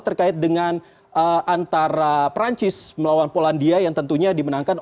terkait dengan antara perancis melawan polandia yang tentunya dimenangkan